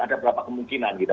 ada berapa kemungkinan